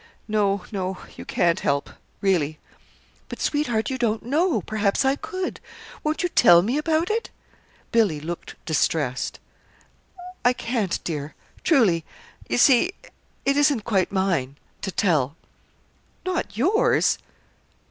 "No, no you can't help really." "But, sweetheart, you don't know. Perhaps I could. Won't you tell me about it?" Billy looked distressed. "I can't, dear truly. You see, it isn't quite mine to tell." "Not yours!"